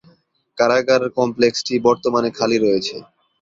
কারাগার কমপ্লেক্সটি বর্তমানে খালি রয়েছে।